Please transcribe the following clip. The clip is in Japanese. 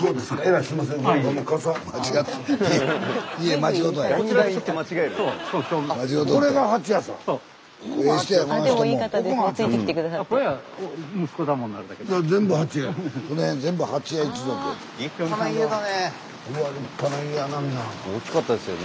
スタジオ大きかったですよね。